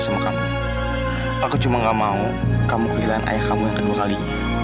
sama kamu aku cuma enggak mau kamu kehilangan ayah kamu yang kedua kali